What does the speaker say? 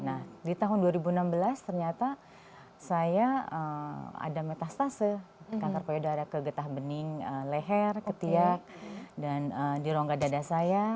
nah di tahun dua ribu enam belas ternyata saya ada metastase kanker payudara ke getah bening leher ketiak dan di rongga dada saya